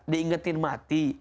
diingatkan tentang mati